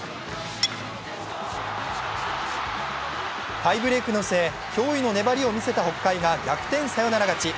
タイブレークの末、驚異の粘りを見せた北海が逆転サヨナラ勝ち。